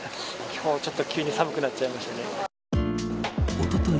おととい